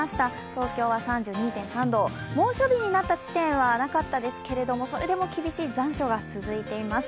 東京は３２．３度、猛暑日になった地点はなかったですけれども、それでも厳しい残暑が続いています。